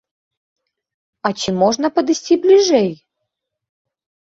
А ці можна падысці бліжэй?